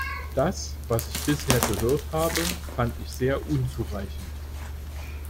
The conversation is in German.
Das, was ich bisher gehört habe, fand ich sehr unzureichend.